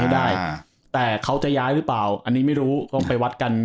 ได้แต่เขาจะย้ายหรือเปล่าอันนี้ไม่รู้ต้องไปวัดกัน